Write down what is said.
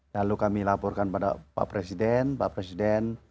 lalu kami laporkan pada pak presiden pak presiden